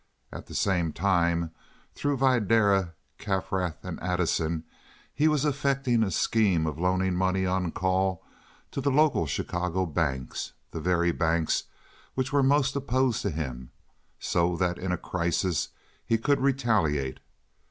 At the same time, through Videra, Kaffrath, and Addison, he was effecting a scheme of loaning money on call to the local Chicago banks—the very banks which were most opposed to him—so that in a crisis he could retaliate.